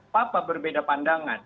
bapak berbeda pandangan